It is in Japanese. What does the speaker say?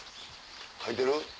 書いてる？